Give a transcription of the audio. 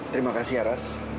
terima kasih haris